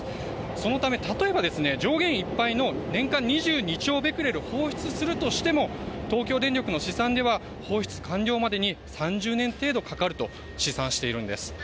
そのため、例えば上限いっぱいの年間２２兆ベクレル放出するとしても東京電力は放出完了までに３０年程度かかると試算しているんです。